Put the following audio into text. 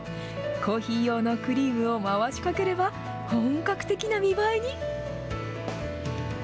コーヒー用のクリームを回しかければ、本格的な見栄えに。